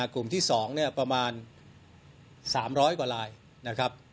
กลุ่มที่๒ประมาณ๓๐๐กว่าลายนะครับ